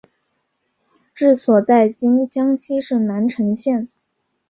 治所在今江西省南城县。